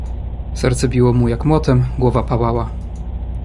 "Serce biło mu jak młotem, głowa pałała."